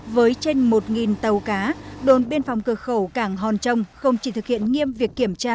với trên một tàu cá đồn biên phòng cửa khẩu cảng hòn trông không chỉ thực hiện nghiêm việc kiểm tra